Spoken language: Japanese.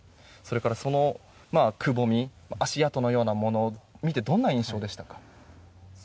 そのくぼみ足跡のようなものを見てどんな印象でしたか？